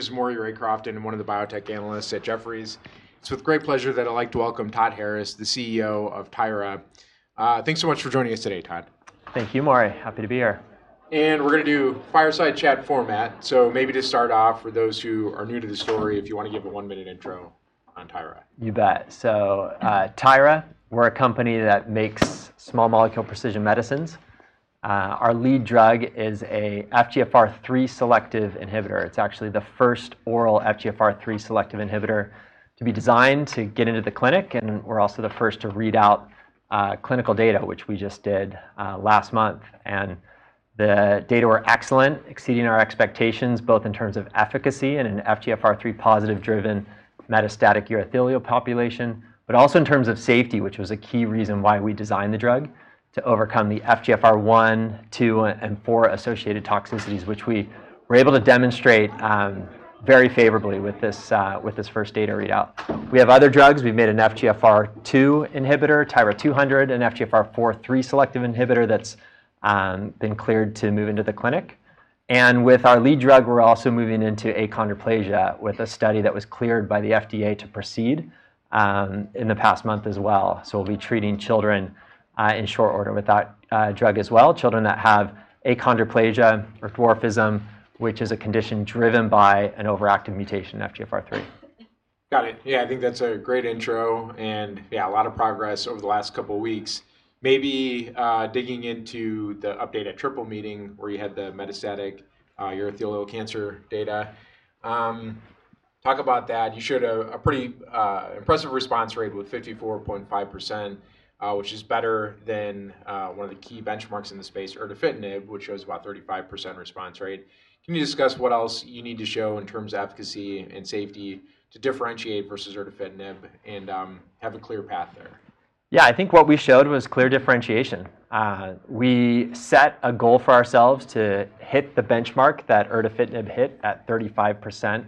This is Maury Raycroft, one of the biotech analysts at Jefferies. It's with great pleasure that I'd like to welcome Todd Harris, the CEO of Tyra. Thanks so much for joining us today, Todd. Thank you, Maury. Happy to be here. And we're going to do fireside chat format. So maybe to start off, for those who are new to the story, if you want to give a one-minute intro on Tyra. You bet, so Tyra, we're a company that makes small molecule precision medicines. Our lead drug is an FGFR3 selective inhibitor. It's actually the first oral FGFR3 selective inhibitor to be designed to get into the clinic, and we're also the first to read out clinical data, which we just did last month, and the data were excellent, exceeding our expectations, both in terms of efficacy and an FGFR3 positive-driven metastatic urothelial population, but also in terms of safety, which was a key reason why we designed the drug to overcome the FGFR1, 2, and 4 associated toxicities, which we were able to demonstrate very favorably with this first data readout. We have other drugs. We've made an FGFR2 inhibitor, TYRA-200, an FGFR4 selective inhibitor that's been cleared to move into the clinic. With our lead drug, we're also moving into achondroplasia with a study that was cleared by the FDA to proceed in the past month as well. We'll be treating children in short order with that drug as well, children that have achondroplasia or dwarfism, which is a condition driven by an overactive mutation in FGFR3. Got it. Yeah, I think that's a great intro. And yeah, a lot of progress over the last couple of weeks. Maybe digging into the update at Triple meeting where you had the metastatic urothelial cancer data. Talk about that. You showed a pretty impressive response rate with 54.5%, which is better than one of the key benchmarks in the space, erdafitinib, which shows about a 35% response rate. Can you discuss what else you need to show in terms of efficacy and safety to differentiate versus erdafitinib and have a clear path there? Yeah, I think what we showed was clear differentiation. We set a goal for ourselves to hit the benchmark that erdafitinib hit at 35%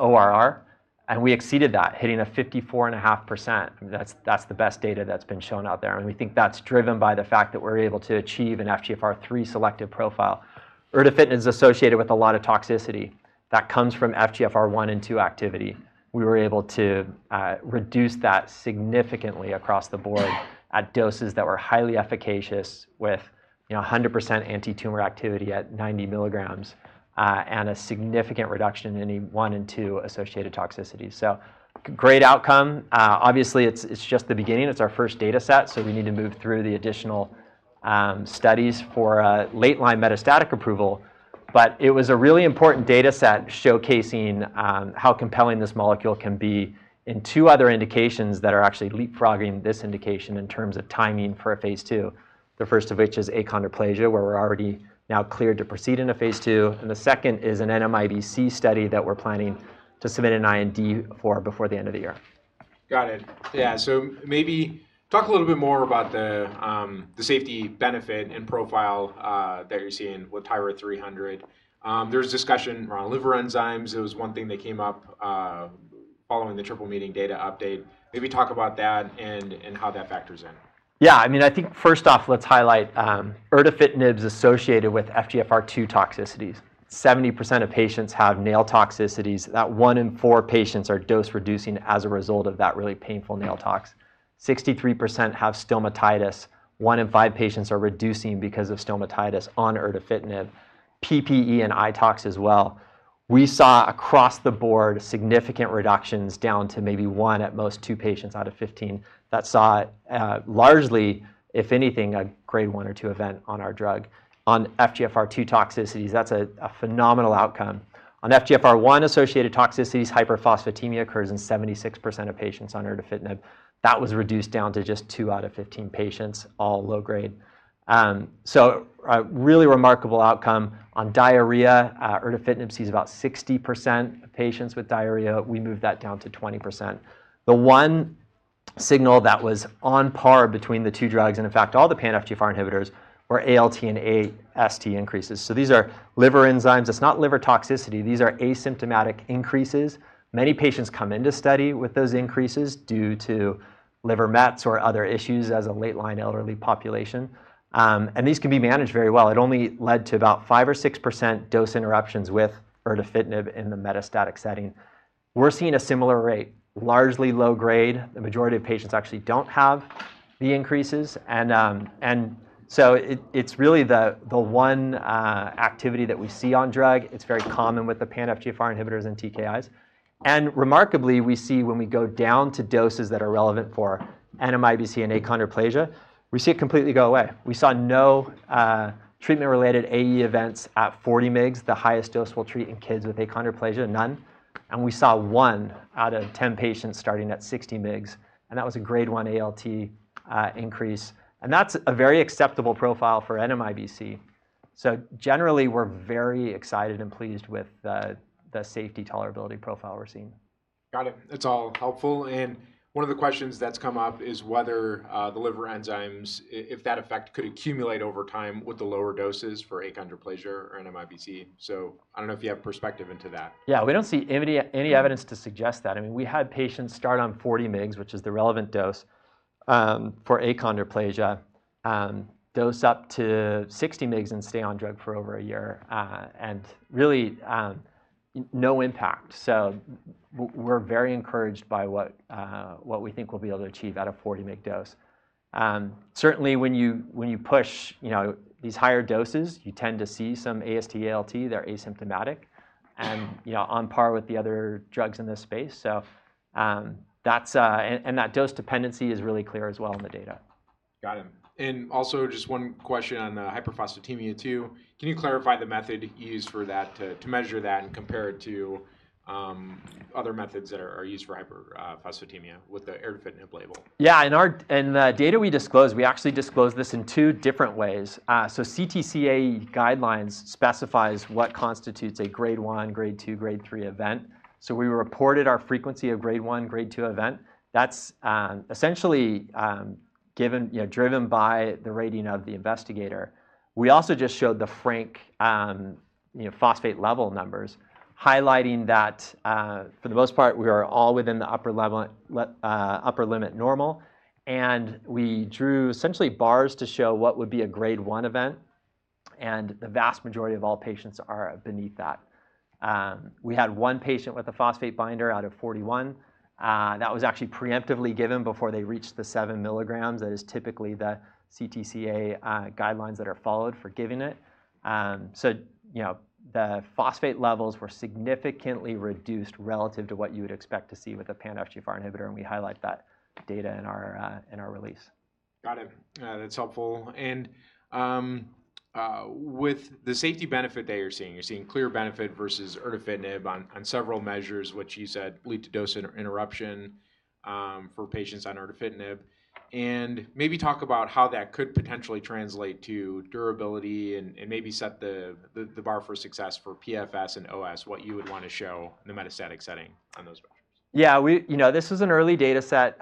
ORR, and we exceeded that, hitting a 54.5%. That's the best data that's been shown out there, and we think that's driven by the fact that we're able to achieve an FGFR3 selective profile. Erdafitinib is associated with a lot of toxicity that comes from FGFR1 and 2 activity. We were able to reduce that significantly across the board at doses that were highly efficacious with 100% anti-tumor activity at 90 milligrams and a significant reduction in any 1 and 2 associated toxicity. So great outcome. Obviously, it's just the beginning. It's our first data set, so we need to move through the additional studies for a late-line metastatic approval. But it was a really important data set showcasing how compelling this molecule can be in two other indications that are actually leapfrogging this indication in terms of timing for a phase two, the first of which is achondroplasia, where we're already now cleared to proceed into phase two. And the second is an NMIBC study that we're planning to submit an IND for before the end of the year. Got it. Yeah, so maybe talk a little bit more about the safety benefit and profile that you're seeing with TYRA-300. There was discussion around liver enzymes. It was one thing that came up following the Triple meeting data update. Maybe talk about that and how that factors in. Yeah, I mean, I think first off, let's highlight erdafitinib's associated with FGFR2 toxicities. 70% of patients have nail toxicities. That one in four patients are dose-reducing as a result of that really painful nail tox. 63% have stomatitis. One in five patients are reducing because of stomatitis on erdafitinib. PPE and eye tox as well. We saw across the board significant reductions down to maybe one at most two patients out of 15 that saw largely, if anything, a grade one or two event on our drug. On FGFR2 toxicities, that's a phenomenal outcome. On FGFR1 associated toxicities, hyperphosphatemia occurs in 76% of patients on erdafitinib. That was reduced down to just two out of 15 patients, all low grade. So a really remarkable outcome. On diarrhea, erdafitinib sees about 60% of patients with diarrhea. We moved that down to 20%. The one signal that was on par between the two drugs and, in fact, all the pan-FGFR inhibitors were ALT and AST increases, so these are liver enzymes. It's not liver toxicity. These are asymptomatic increases. Many patients come into study with those increases due to liver mets or other issues as a late-line elderly population, and these can be managed very well. It only led to about 5% or 6% dose interruptions with erdafitinib in the metastatic setting. We're seeing a similar rate, largely low grade. The majority of patients actually don't have the increases, and so it's really the one activity that we see on drug. It's very common with the pan-FGFR inhibitors and TKIs, and remarkably, we see when we go down to doses that are relevant for NMIBC and achondroplasia, we see it completely go away. We saw no treatment-related AE events at 40 mg, the highest dose we'll treat in kids with achondroplasia, none, and we saw one out of 10 patients starting at 60 mg. And that was a grade one ALT increase. And that's a very acceptable profile for NMIBC. So generally, we're very excited and pleased with the safety tolerability profile we're seeing. Got it. That's all helpful. And one of the questions that's come up is whether the liver enzymes, if that effect could accumulate over time with the lower doses for achondroplasia or NMIBC. So I don't know if you have perspective into that? Yeah, we don't see any evidence to suggest that. I mean, we had patients start on 40 mg, which is the relevant dose for achondroplasia, dose up to 60 mg, and stay on drug for over a year, and really no impact. So we're very encouraged by what we think we'll be able to achieve at a 40-mg dose. Certainly, when you push these higher doses, you tend to see some AST/ALT. They're asymptomatic and on par with the other drugs in this space. So that's and that dose dependency is really clear as well in the data. Got it, and also just one question on the hyperphosphatemia too. Can you clarify the method used for that to measure that and compare it to other methods that are used for hyperphosphatemia with the erdafitinib label? Yeah, in the data we disclosed, we actually disclosed this in two different ways. So CTCAE guidelines specify what constitutes a grade one, grade two, grade three event. So we reported our frequency of grade one, grade two event. That's essentially driven by the rating of the investigator. We also just showed the frank phosphate level numbers, highlighting that for the most part, we are all within the upper limit normal, and we drew essentially bars to show what would be a grade one event. And the vast majority of all patients are beneath that. We had one patient with a phosphate binder out of 41. That was actually preemptively given before they reached the 7 milligrams. That is typically the CTCAE guidelines that are followed for giving it. So the phosphate levels were significantly reduced relative to what you would expect to see with a pan-FGFR inhibitor. And we highlight that data in our release. Got it. That's helpful. And with the safety benefit that you're seeing, you're seeing clear benefit versus erdafitinib on several measures, which you said lead to dose interruption for patients on erdafitinib. And maybe talk about how that could potentially translate to durability and maybe set the bar for success for PFS and OS, what you would want to show in the metastatic setting on those measures. Yeah, this was an early data set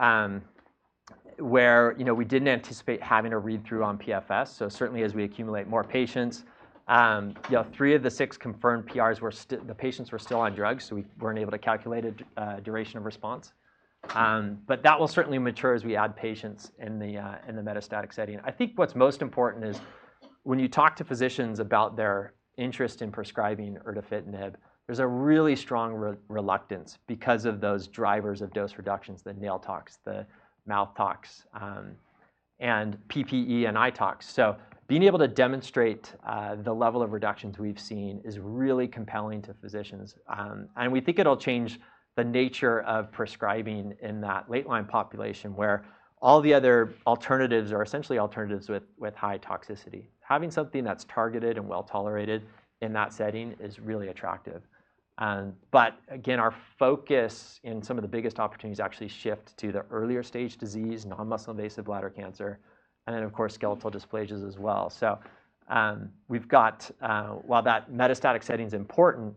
where we didn't anticipate having a read-through on PFS. So certainly, as we accumulate more patients, three of the six confirmed PRs, the patients were still on drugs, so we weren't able to calculate a duration of response. But that will certainly mature as we add patients in the metastatic setting. I think what's most important is when you talk to physicians about their interest in prescribing erdafitinib, there's a really strong reluctance because of those drivers of dose reductions, the nail tox, the mouth tox, and PPE and eye tox. So being able to demonstrate the level of reductions we've seen is really compelling to physicians. And we think it'll change the nature of prescribing in that late-line population where all the other alternatives are essentially alternatives with high toxicity. Having something that's targeted and well tolerated in that setting is really attractive. But again, our focus in some of the biggest opportunities actually shift to the earlier stage disease, non-muscle invasive bladder cancer, and then, of course, skeletal dysplasias as well. So we've got, while that metastatic setting is important,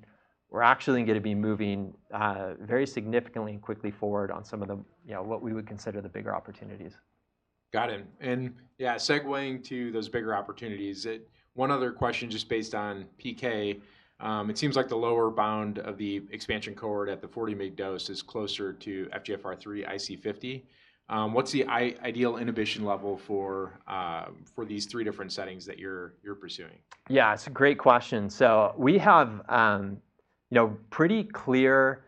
we're actually going to be moving very significantly and quickly forward on some of what we would consider the bigger opportunities. Got it. And yeah, segueing to those bigger opportunities, one other question just based on PK. It seems like the lower bound of the expansion cohort at the 40 mg dose is closer to FGFR3 IC50. What's the ideal inhibition level for these three different settings that you're pursuing? Yeah, it's a great question. So we have pretty clear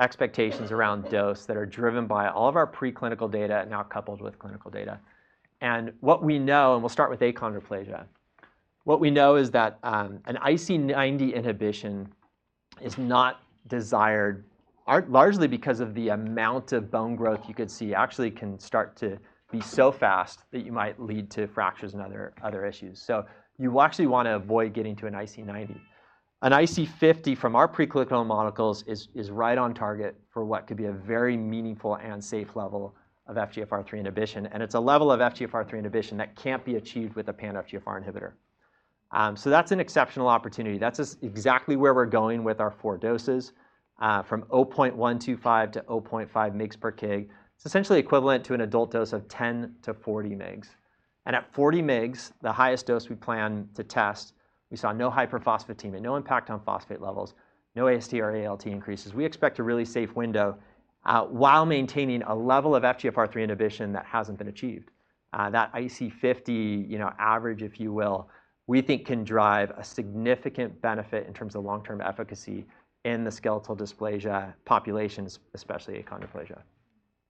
expectations around dose that are driven by all of our preclinical data and now coupled with clinical data. And what we know, and we'll start with achondroplasia, what we know is that an IC90 inhibition is not desired largely because of the amount of bone growth you could see actually can start to be so fast that you might lead to fractures and other issues. So you actually want to avoid getting to an IC90. An IC50 from our preclinical molecules is right on target for what could be a very meaningful and safe level of FGFR3 inhibition. And it's a level of FGFR3 inhibition that can't be achieved with a pan-FGFR inhibitor. So that's an exceptional opportunity. That's exactly where we're going with our four doses from 0.125-0.5 mg per kg. It's essentially equivalent to an adult dose of 10-40 mg. At 40 mg, the highest dose we plan to test, we saw no hyperphosphatemia, no impact on phosphate levels, no AST or ALT increases. We expect a really safe window while maintaining a level of FGFR3 inhibition that hasn't been achieved. That IC50 average, if you will, we think can drive a significant benefit in terms of long-term efficacy in the skeletal dysplasia populations, especially achondroplasia.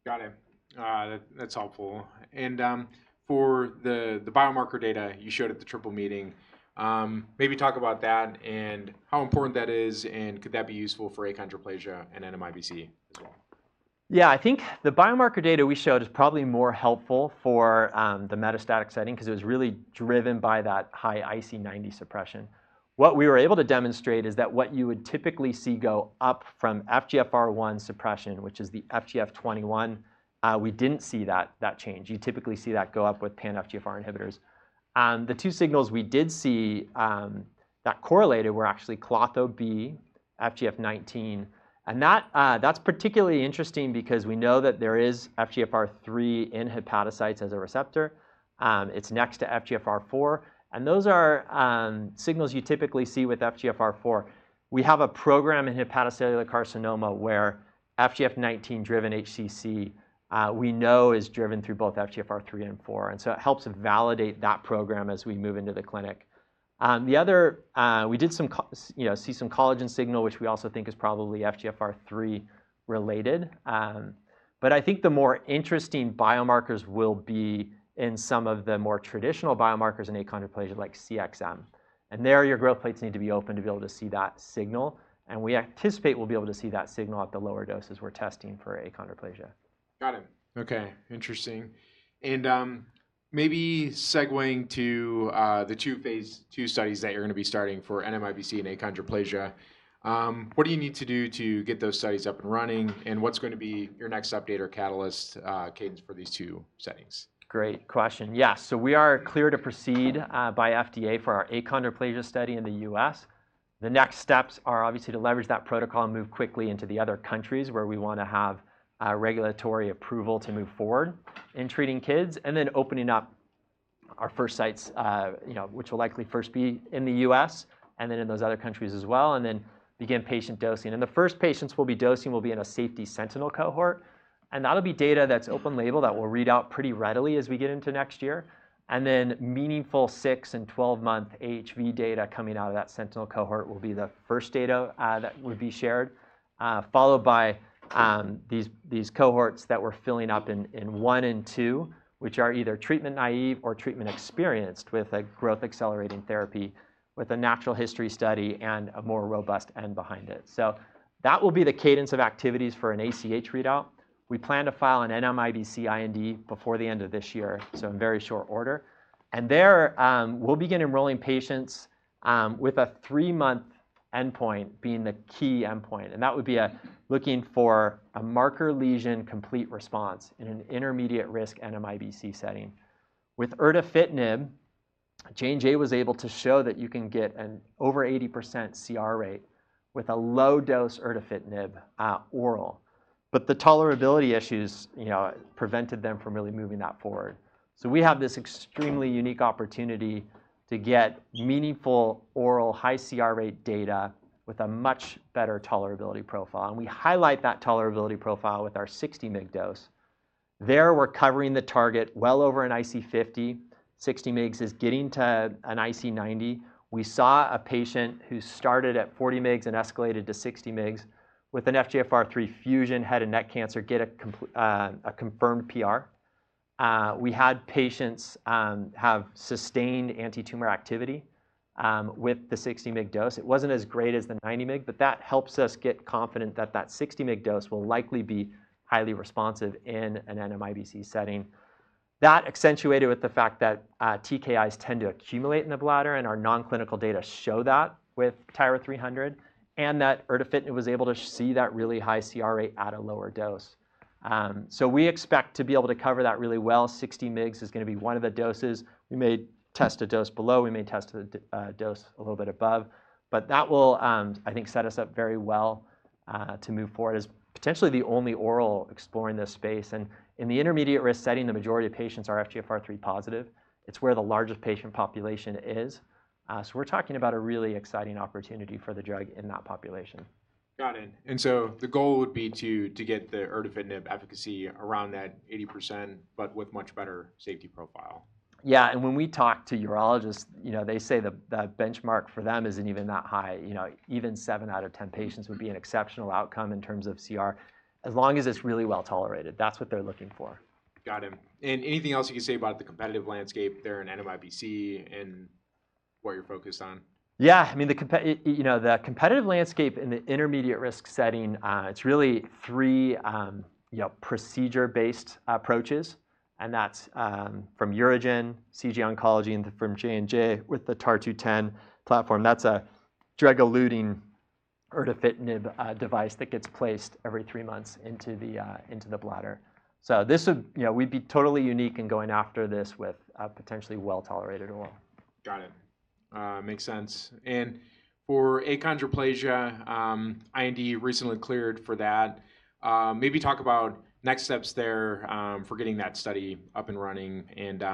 Got it. That's helpful. And for the biomarker data you showed at the Triple meeting, maybe talk about that and how important that is and could that be useful for achondroplasia and NMIBC as well? Yeah, I think the biomarker data we showed is probably more helpful for the metastatic setting because it was really driven by that high IC90 suppression. What we were able to demonstrate is that what you would typically see go up from FGFR1 suppression, which is the FGF21, we didn't see that change. You typically see that go up with pan-FGFR inhibitors. The two signals we did see that correlated were actually CXM, FGF19. And that's particularly interesting because we know that there is FGFR3 in hepatocytes as a receptor. It's next to FGFR4. And those are signals you typically see with FGFR4. We have a program in hepatocellular carcinoma where FGF19-driven HCC we know is driven through both FGFR3 and 4. And so it helps validate that program as we move into the clinic. We did see some collagen signal, which we also think is probably FGFR3-related. But I think the more interesting biomarkers will be in some of the more traditional biomarkers in achondroplasia like CXM. And there, your growth plates need to be open to be able to see that signal. And we anticipate we'll be able to see that signal at the lower doses we're testing for achondroplasia. Got it. Okay, interesting. And maybe segueing to the two phase 2 studies that you're going to be starting for NMIBC and achondroplasia, what do you need to do to get those studies up and running? And what's going to be your next update or catalyst cadence for these two settings? Great question. Yeah, so we are clear to proceed by FDA for our achondroplasia study in the U.S. The next steps are obviously to leverage that protocol and move quickly into the other countries where we want to have regulatory approval to move forward in treating kids and then opening up our first sites, which will likely first be in the U.S. and then in those other countries as well, and then begin patient dosing. And the first patients we'll be dosing will be in a safety sentinel cohort. And that'll be data that's open label that we'll read out pretty readily as we get into next year. And then meaningful six- and 12-month AHV data coming out of that sentinel cohort will be the first data that would be shared, followed by these cohorts that we're filling up in one and two, which are either treatment naive or treatment experienced with a growth-accelerating therapy with a natural history study and a more robust end behind it. So that will be the cadence of activities for an ACH readout. We plan to file an NMIBC IND before the end of this year, so in very short order. And there we'll begin enrolling patients with a three-month endpoint being the key endpoint. And that would be looking for a marker lesion complete response in an intermediate risk NMIBC setting. With erdafitinib, J&J was able to show that you can get an over 80% CR rate with a low-dose erdafitinib oral. The tolerability issues prevented them from really moving that forward. We have this extremely unique opportunity to get meaningful oral high CR rate data with a much better tolerability profile. We highlight that tolerability profile with our 60-mg dose. There we're covering the target well over an IC50. 60 mg is getting to an IC90. We saw a patient who started at 40 mg and escalated to 60 mg with an FGFR3 fusion head and neck cancer get a confirmed PR. We had patients have sustained antitumor activity with the 60-mg dose. It wasn't as great as the 90-mg, but that helps us get confident that that 60-mg dose will likely be highly responsive in an NMIBC setting. That accentuated with the fact that TKIs tend to accumulate in the bladder, and our non-clinical data show that with TYRA-300, and that erdafitinib was able to see that really high CR rate at a lower dose. So we expect to be able to cover that really well. 60 mg is going to be one of the doses. We may test a dose below. We may test a dose a little bit above. But that will, I think, set us up very well to move forward as potentially the only oral exploring this space. And in the intermediate risk setting, the majority of patients are FGFR3 positive. It's where the largest patient population is. So we're talking about a really exciting opportunity for the drug in that population. Got it. And so the goal would be to get the erdafitinib efficacy around that 80%, but with much better safety profile. Yeah, and when we talk to urologists, they say the benchmark for them isn't even that high. Even seven out of 10 patients would be an exceptional outcome in terms of CR as long as it's really well tolerated. That's what they're looking for. Got it. And anything else you can say about the competitive landscape there in NMIBC and what you're focused on? Yeah, I mean, the competitive landscape in the intermediate risk setting. It's really three procedure-based approaches. And that's from UroGen, CG Oncology, and from J&J with the TAR-210 platform. That's a drug-eluting erdafitinib device that gets placed every three months into the bladder. So we'd be totally unique in going after this with potentially well-tolerated oral. Got it. Makes sense. And for achondroplasia, IND recently cleared for that. Maybe talk about next steps there for getting that study up and running and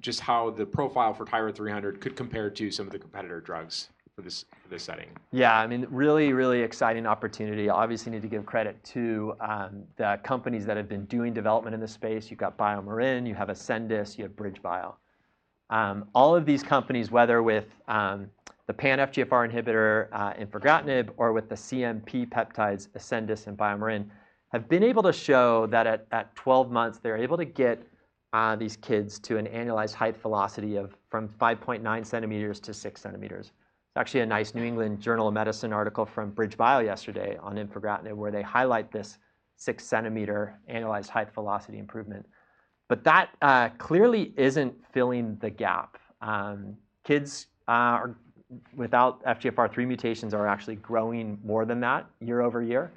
just how the profile for TYRA-300 could compare to some of the competitor drugs for this setting. Yeah, I mean, really, really exciting opportunity. Obviously, need to give credit to the companies that have been doing development in this space. You've got BioMarin, you have Ascendis, you have BridgeBio. All of these companies, whether with the pan-FGFR inhibitor infragratinib or with the CNP peptides, Ascendis and BioMarin, have been able to show that at 12 months, they're able to get these kids to an annualized height velocity from 5.9 centimeters to 6 centimeters. It's actually a nice New England Journal of Medicine article from BridgeBio yesterday on infragratinib where they highlight this 6-centimeter annualized height velocity improvement. But that clearly isn't filling the gap. Kids without FGFR3 mutations are actually growing more than that year-over-year.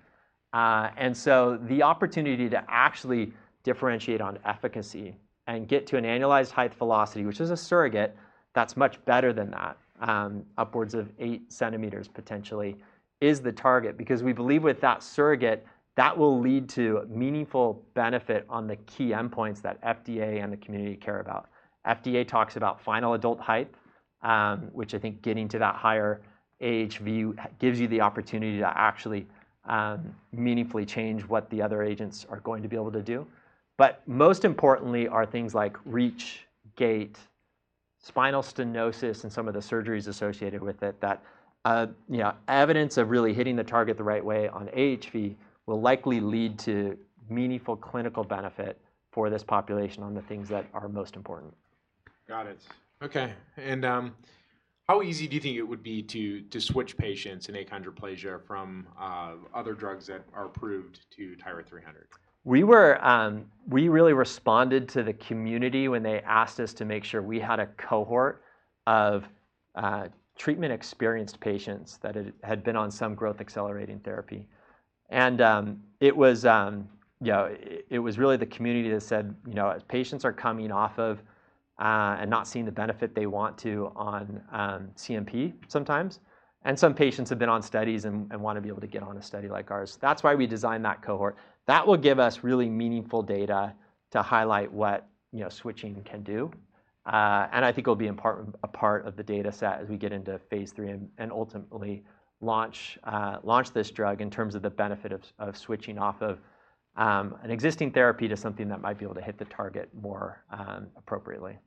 And so the opportunity to actually differentiate on efficacy and get to an annualized height velocity, which is a surrogate that's much better than that, upwards of eight centimeters potentially, is the target because we believe with that surrogate, that will lead to meaningful benefit on the key endpoints that FDA and the community care about. FDA talks about final adult height, which I think getting to that higher AHV gives you the opportunity to actually meaningfully change what the other agents are going to be able to do. But most importantly are things like reach, gait, spinal stenosis, and some of the surgeries associated with it that evidence of really hitting the target the right way on AHV will likely lead to meaningful clinical benefit for this population on the things that are most important. Got it. Okay. And how easy do you think it would be to switch patients in achondroplasia from other drugs that are approved to TYRA-300? We really responded to the community when they asked us to make sure we had a cohort of treatment-experienced patients that had been on some growth-accelerating therapy. And it was really the community that said, "Patients are coming off of and not seeing the benefit they want to on CMP sometimes." And some patients have been on studies and want to be able to get on a study like ours. That's why we designed that cohort. That will give us really meaningful data to highlight what switching can do. And I think it'll be a part of the data set as we get into phase three and ultimately launch this drug in terms of the benefit of switching off of an existing therapy to something that might be able to hit the target more appropriately.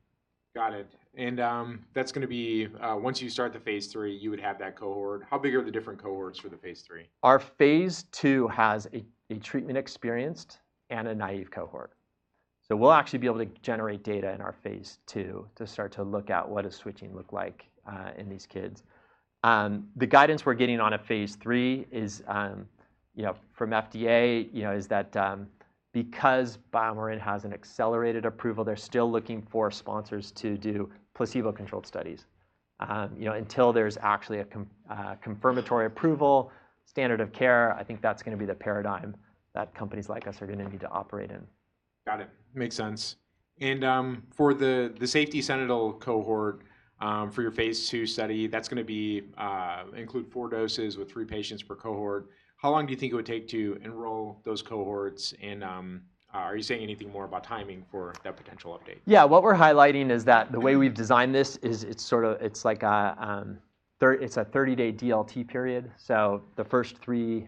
Got it. And that's going to be once you start the phase 3, you would have that cohort. How big are the different cohorts for the phase 3? Our phase two has a treatment-experienced and a naive cohort. So we'll actually be able to generate data in our phase two to start to look at what does switching look like in these kids. The guidance we're getting on a phase three from FDA is that because BioMarin has an accelerated approval, they're still looking for sponsors to do placebo-controlled studies. Until there's actually a confirmatory approval, standard of care, I think that's going to be the paradigm that companies like us are going to need to operate in. Got it. Makes sense. And for the safety sentinel cohort for your phase two study, that's going to include four doses with three patients per cohort. How long do you think it would take to enroll those cohorts? And are you saying anything more about timing for that potential update? Yeah, what we're highlighting is that the way we've designed this is it's like a 30-day DLT period. So the first three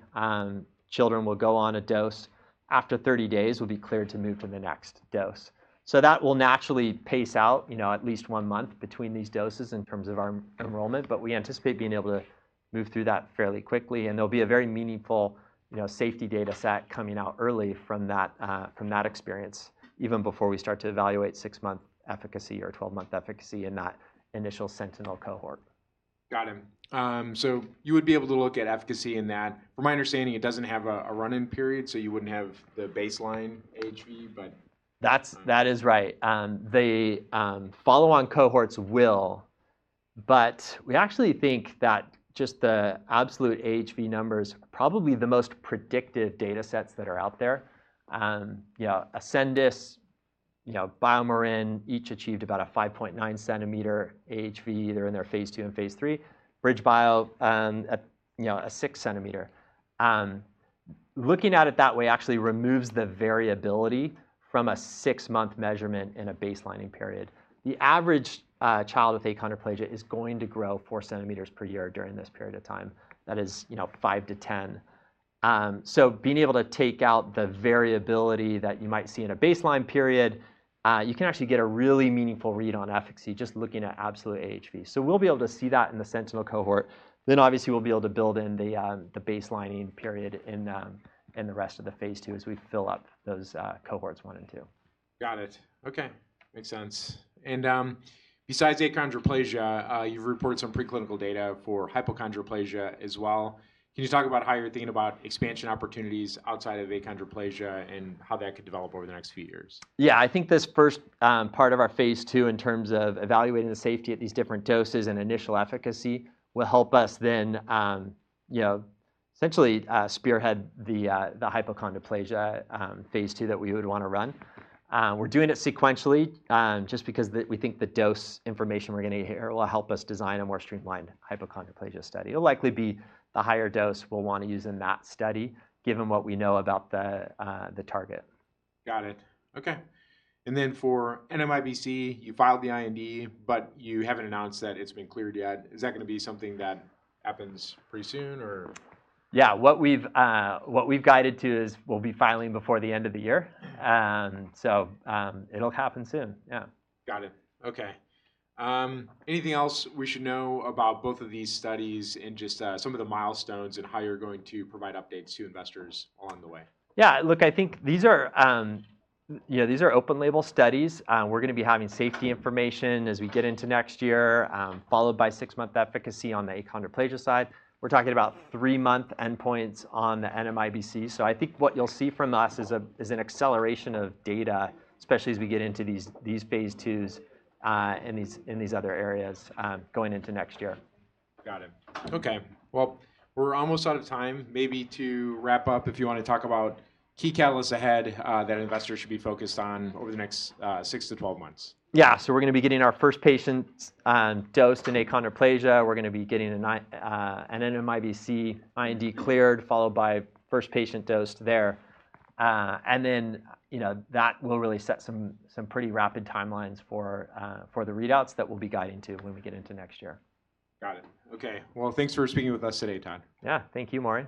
children will go on a dose. After 30 days, we'll be cleared to move to the next dose. So that will naturally pace out at least one month between these doses in terms of our enrollment. But we anticipate being able to move through that fairly quickly. And there'll be a very meaningful safety data set coming out early from that experience even before we start to evaluate six-month efficacy or 12-month efficacy in that initial sentinel cohort. Got it. So you would be able to look at efficacy in that. From my understanding, it doesn't have a run-in period, so you wouldn't have the baseline AHV, but. That is right. The follow-on cohorts will. But we actually think that just the absolute AHV numbers are probably the most predictive data sets that are out there. Ascendis, BioMarin each achieved about a 5.9-centimeter AHV. They're in their phase two and phase three. BridgeBio, a 6-centimeter. Looking at it that way actually removes the variability from a 6-month measurement in a baselining period. The average child with achondroplasia is going to grow 4 centimeters per year during this period of time. That is 5 to 10. So being able to take out the variability that you might see in a baseline period, you can actually get a really meaningful read on efficacy just looking at absolute AHV. So we'll be able to see that in the sentinel cohort. Then obviously, we'll be able to build in the baselining period in the rest of the phase two as we fill up those cohorts one and two. Got it. Okay, makes sense, and besides achondroplasia, you've reported some preclinical data for hypochondroplasia as well. Can you talk about how you're thinking about expansion opportunities outside of achondroplasia and how that could develop over the next few years? Yeah, I think this first part of our phase 2 in terms of evaluating the safety at these different doses and initial efficacy will help us then essentially spearhead the hypochondroplasia phase 2 that we would want to run. We're doing it sequentially just because we think the dose information we're going to hear will help us design a more streamlined hypochondroplasia study. It'll likely be the higher dose we'll want to use in that study given what we know about the target. Got it. Okay. And then for NMIBC, you filed the IND, but you haven't announced that it's been cleared yet. Is that going to be something that happens pretty soon, or? Yeah, what we've guided to is we'll be filing before the end of the year. So it'll happen soon, yeah. Got it. Okay. Anything else we should know about both of these studies and just some of the milestones and how you're going to provide updates to investors along the way? Yeah, look, I think these are open-label studies. We're going to be having safety information as we get into next year, followed by 6-month efficacy on the achondroplasia side. We're talking about 3-month endpoints on the NMIBC. So I think what you'll see from us is an acceleration of data, especially as we get into these phase 2s and these other areas going into next year. Got it. Okay. Well, we're almost out of time. Maybe to wrap up, if you want to talk about key catalysts ahead that investors should be focused on over the next six to 12 months. Yeah, so we're going to be getting our first patient dose in achondroplasia. We're going to be getting an NMIBC IND cleared, followed by first patient dose there, and then that will really set some pretty rapid timelines for the readouts that we'll be guiding to when we get into next year. Got it. Okay, well, thanks for speaking with us today, Todd. Yeah, thank you, Maury.